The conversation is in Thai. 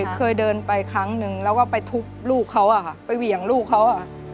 เคยเดินไปครั้งหนึ่งแล้วก็ไปทุบลูกเขาไปเหวี่ยงลูกเขา